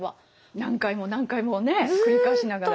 何回も何回もね繰り返しながら。